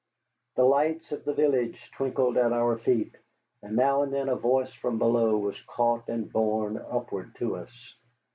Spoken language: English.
The lights of the village twinkled at our feet, and now and then a voice from below was caught and borne upward to us.